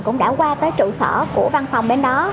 cũng đã qua tới trụ sở của văn phòng bên đó